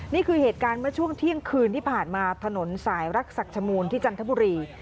นี่คือเหตุการณ์เมื่อช่วงเที่ยงคืนที่ผ่านมาถนนสายรักษักชมูลที่จันทบุรี